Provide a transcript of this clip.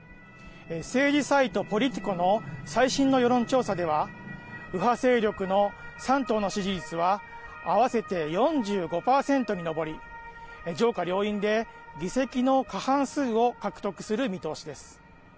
政治サイトポリティコの最新の世論調査では右派勢力の３党の支持率は合わせて４５％に上り上下両院で、議席の過半数を獲得する見通しです。